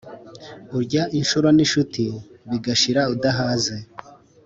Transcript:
Urya inshuro n’incuti bigashira udahaze.